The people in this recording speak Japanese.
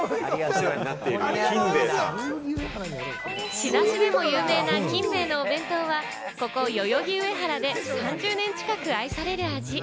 仕出しでも有名な金兵衛のお弁当は、ここ代々木上原で３０年近く愛される味。